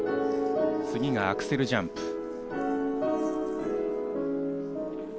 次がアクセルジャンプ。